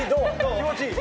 気持ちいい？